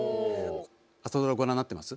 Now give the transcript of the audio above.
朝ドラご覧になってます？